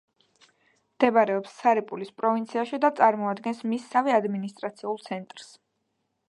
მდებარეობს სარიპულის პროვინციაში და წარმოადგენს მისსავე ადმინისტრაციულ ცენტრს.